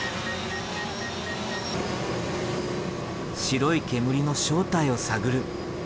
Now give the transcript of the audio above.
白い煙の正体を探る。